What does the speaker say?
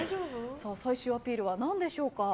最終アピールは何でしょうか？